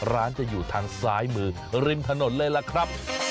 ร้านจะอยู่ทางซ้ายมือริมถนนเลยล่ะครับ